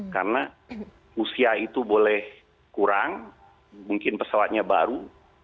karena usia itu boleh kurang mungkin pesawatnya baru